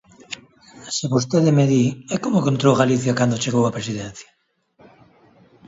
Se vostede me di: ¿e como encontrou Galicia cando chegou á presidencia?